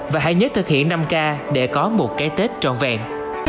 và hãy nhớ thực hiện năm k để có một cái tết tròn vẹn